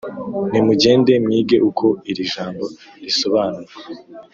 nimugende mwige uko iri jambo risobanurwa,